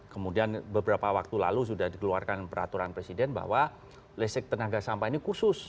kemudian beberapa waktu lalu sudah dikeluarkan peraturan presiden bahwa listrik tenaga sampah ini khusus